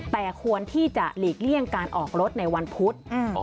แต่ควรที่จะหลีกเลี่ยงการออกรถในวันพุธ